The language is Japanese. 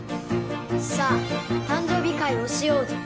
さあ誕生日会をしようぞ。